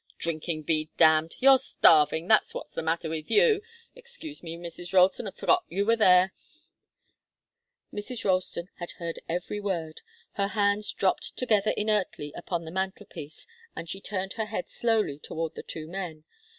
Drinking be damned! You're starving that's what's the matter with you. Excuse me, Mrs. Ralston, forgot you were there " Mrs. Ralston had heard every word. Her hands dropped together inertly upon the mantelpiece, and she turned her head slowly toward the two men.